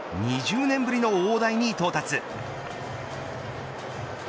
２０年ぶりの大台に到達。